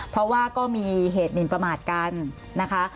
เพราะว่าก็มีเหตุหมินประมาทกันนะคะ